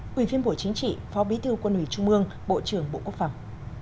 quyền phiên bổ chính trị phó bí thư quân hủy trung mương bộ trưởng bộ quốc phòng